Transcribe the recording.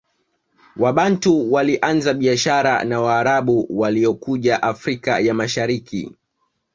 Wabantu walianza biashara na Waarabu waliokuja Afrika ya Mashariki